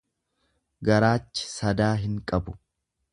Garaachi sadaa hin qabu.